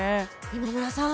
今村さん